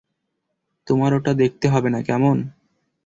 তোমার ওটা দেখতে হবে না, কেমন?